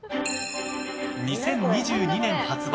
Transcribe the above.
２０２２年発売。